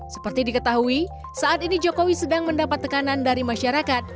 seperti diketahui saat ini jokowi sedang mendapat tekanan dari masyarakat